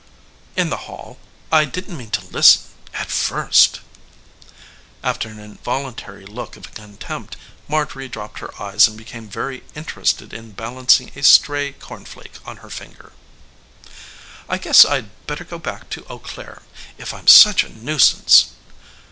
"In the hall. I didn't mean to listen at first." After an involuntary look of contempt Marjorie dropped her eyes and became very interested in balancing a stray corn flake on her finger. "I guess I'd better go back to Eau Claire if I'm such a nuisance."